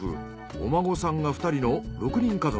お孫さんが２人の６人家族。